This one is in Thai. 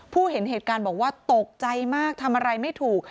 เห็นเหตุการณ์บอกว่าตกใจมากทำอะไรไม่ถูก